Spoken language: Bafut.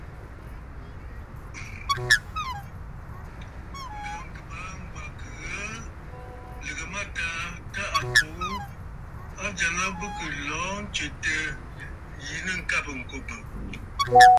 Ŋ̀gàŋkɨbàa Ŋgwa kɨ ghə̀ə lɨ̀gə mâtaa tâ à kwo ghu, a ajàŋə bɨ kɨ̀ lɔ̀ɔ̂ ǹtswètə̂ yi nɨ̂ ŋ̀kabə̀ ŋ̀kòbə̀.